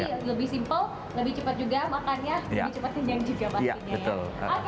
jadi lebih simpel lebih cepat juga makannya lebih cepat dinjam juga pastinya